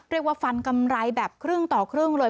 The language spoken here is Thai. ฟันกำไรแบบครึ่งต่อครึ่งเลย